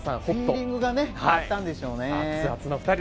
フィーリングが合ったんでしょうね。